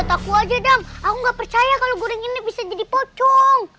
aku nggak percaya kalau goreng ini bisa jadi pocong